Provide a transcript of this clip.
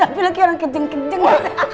tapi lagi orang kejeng kejeng